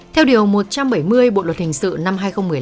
theo điều một trăm bảy mươi bộ luật hình sự năm hai nghìn một mươi năm